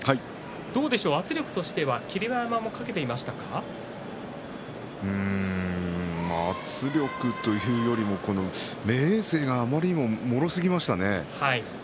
どうでしょうか、霧馬山としては圧力というよりも明生があまりにももろすぎましたね。